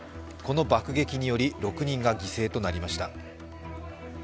この爆撃により６人が犠牲となりました。